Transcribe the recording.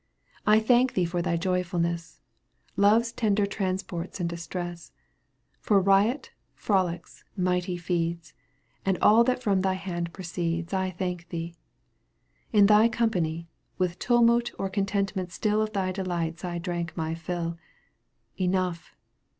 I thank thee for thy joyfulness, Love's tender transports and distress, For riot, frolics, mighty feeds, And all that from thy hand proceeds — I thank thee. In thy company. With tumult or contentment stiH Of thy delights I drank my fill — Enough